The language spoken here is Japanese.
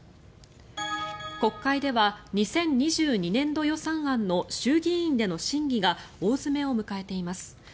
国会では２０２２年度予算案の衆議院での審議が大詰めを迎えています。